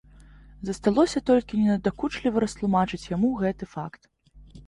Засталося толькі ненадакучліва растлумачыць яму гэты факт.